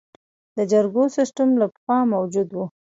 د جرګو سیسټم له پخوا موجود و